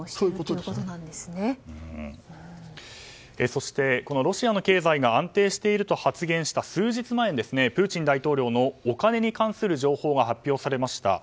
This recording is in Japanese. そしてロシアの経済が安定していると発言した数日前にプーチン大統領のお金に関する情報が発表されました。